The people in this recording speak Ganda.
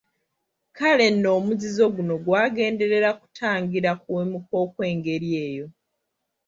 Kale nno omuzizo guno gwagenderera kutangira kuwemuka okw'engeri eyo.